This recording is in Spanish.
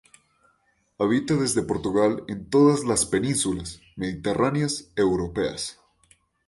Habita desde Portugal en todas las penínsulas mediterráneas europeas.